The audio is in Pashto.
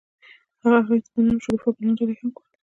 هغه هغې ته د نرم شګوفه ګلان ډالۍ هم کړل.